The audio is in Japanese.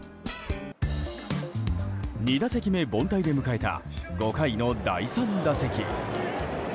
２打席目、凡退で迎えた５回の第３打席。